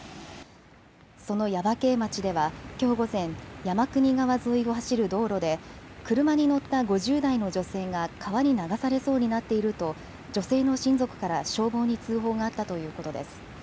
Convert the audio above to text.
その耶馬溪町ではきょう午前、山国川沿いを走る道路で車に乗った５０代の女性が川に流されそうになっていると女性の親族から消防に通報があったということです。